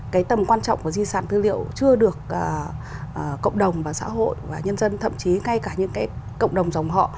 cái tầm quan trọng của di sản tư liệu chưa được cộng đồng và xã hội và nhân dân thậm chí ngay cả những cái cộng đồng dòng họ